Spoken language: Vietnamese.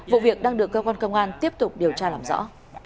vụ việc đang được cơ quan công an tiếp tục điều tra làm rõ